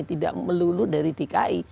tidak melulu dari dki